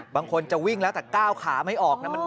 บางคนจะวิ่งแล้วแต่ก้าวขาไม่ออกนะ